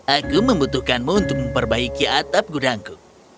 aku membutuhkanmu untuk memperbaiki atap gudangku